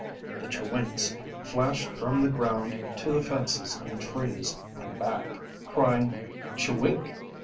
The chewinks flashed from the ground to the fences and trees, and back, crying "Che wink?"